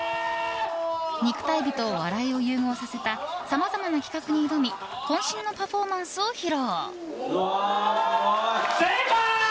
肉体美と笑いを融合させたさまざまな企画に挑み渾身のパフォーマンスを披露。